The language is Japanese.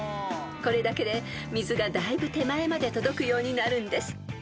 ［これだけで水がだいぶ手前まで届くようになるんです］